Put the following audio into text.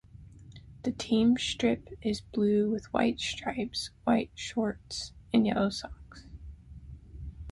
The team strip is blue with white stripes, white shorts and yellow socks.